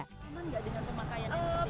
teman gak dengan pemakaian yang seperti ini